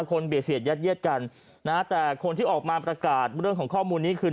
เบียดเสียดยัดเยียดกันนะฮะแต่คนที่ออกมาประกาศเรื่องของข้อมูลนี้คือ